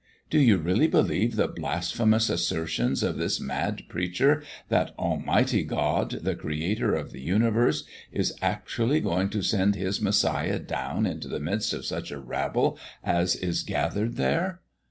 Do you really believe the blasphemous assertions of this mad preacher that Almighty God, the Creator of the universe, is actually going to send His Messiah down into the midst of such a rabble as is gathered there?"